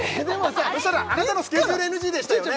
そしたらあなたのスケジュールＮＧでしたよね